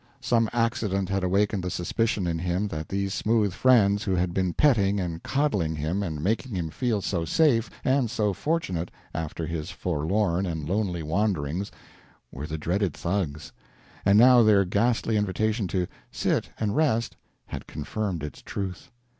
Some accident had awakened the suspicion in him that these smooth friends who had been petting and coddling him and making him feel so safe and so fortunate after his forlorn and lonely wanderings were the dreaded Thugs; and now their ghastly invitation to "sit and rest" had confirmed its truth.